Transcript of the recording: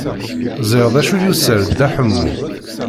Ẓriɣ d acu yuser Dda Ḥemmu.